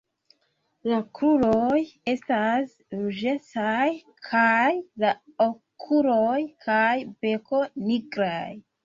La kruroj estas ruĝecaj kaj la okuloj kaj beko nigraj.